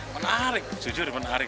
menarik jujur menarik